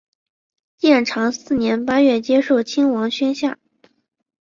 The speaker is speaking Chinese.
建长四年八月接受亲王宣下。